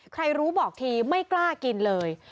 ใครรู้บอกทีไม่กล้ากินเลย